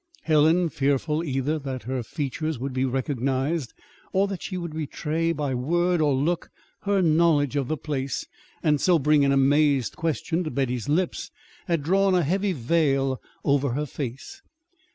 Helen, fearful either that her features would be recognized, or that she would betray by word or look her knowledge of the place, and so bring an amazed question to Betty's lips, had drawn a heavy veil over her face.